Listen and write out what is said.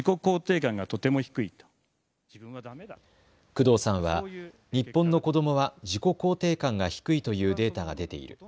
工藤さんは日本の子どもは自己肯定感が低いというデータが出ている。